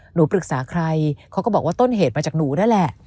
หนูปรึกษาใครเขาก็บอกว่าต้นเหตุมาจากหนูนั่นแหละ